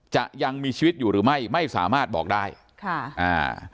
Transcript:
ยังมีชีวิตอยู่หรือไม่ไม่สามารถบอกได้ค่ะอ่า